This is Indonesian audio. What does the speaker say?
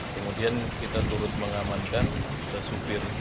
kemudian kita turut mengamankan supir